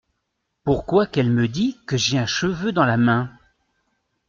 Pourquoi qu’elle me dit que j’ai un cheveu dans la main ?